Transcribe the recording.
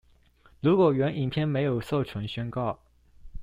如果原影片沒有授權宣告